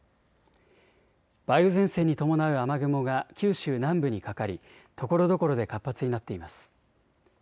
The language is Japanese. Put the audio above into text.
梅雨前線に伴う雨雲が九州南部にかかり、ところどころで活発になっています。